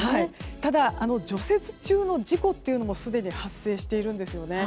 ただ除雪中の事故というのもすでに発生しているんですね。